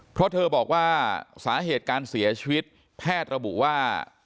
เพราะเธอบอกว่าสาเหตุการเสียชีวิตแพทย์ระบุว่า